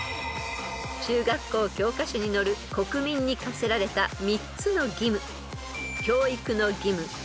［中学校教科書に載る国民に課せられた３つの義務］